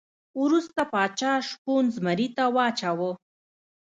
وروسته پاچا شپون زمري ته واچاوه.